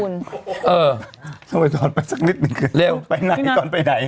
ทำไมตอนไปสักนิดนึงเร็วไปไหนตอนไปไหน